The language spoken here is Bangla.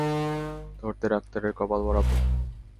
ধরতে ডাক্তারের কপাল বরাবর!